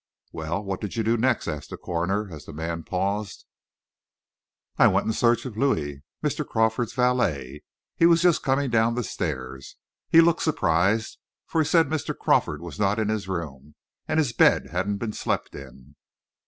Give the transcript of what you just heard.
"Well, what did you do next?" asked the coroner, as the man paused. "I went in search of Louis, Mr. Crawford's valet. He was just coming down the stairs. He looked surprised, for he said Mr. Crawford was not in his room, and his bed hadn't been slept in."